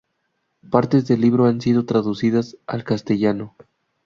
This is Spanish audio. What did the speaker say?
Partes del libro han sido traducidas al castellano.